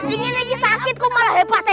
ini lagi sakit kok malah hebat